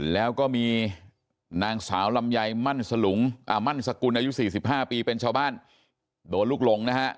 แล้วก็มีนางสาวลำไยมั่นสลุงมั่นสกุลอายุ๔๕ปีเป็นชาวบ้านโดนลูกหลงนะฮะ